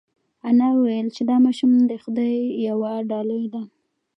انا وویل چې دا ماشوم د خدای یوه ډالۍ ده.